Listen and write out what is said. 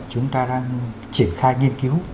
chúng ta đang triển khai nghiên cứu